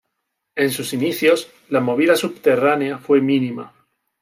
En sus inicios, la movida subterránea fue mínima.